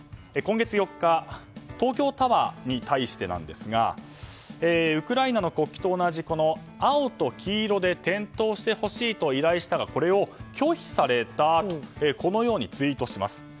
今月４日東京タワーに対してですがウクライナの国旗と同じ青と黄色で点灯してほしいと依頼したが、これを拒否されたとツイートします。